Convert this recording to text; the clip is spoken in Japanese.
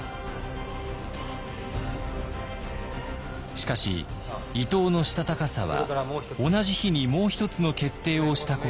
しかし伊藤のしたたかさは同じ日にもう一つの決定をしたことでした。